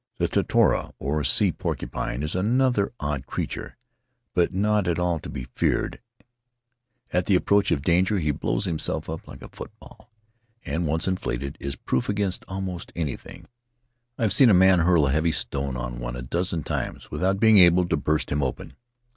The totara, or sea porcupine, is another odd Faery Lands of the South Seas creature, but not at all to be feared; at the approach of danger he blows himself up like a football, and once inflated, is proof against almost anything — I've seen a man hurl a heavy stone on one a dozen times without being able to burst him open.